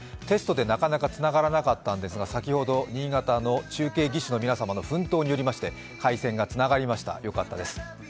テストでなかなかつながらなかったんですが先ほど新潟の中継技師の皆さんの奮闘によりまして回線がつながりました、よかったです。